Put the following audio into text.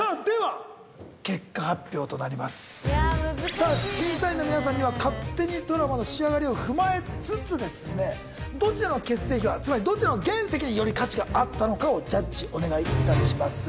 さあ審査員の皆さんには「勝手にドラマ」の仕上がりを踏まえつつですねどちらの結成秘話つまりどちらの原石により価値があったのかをジャッジお願い致します。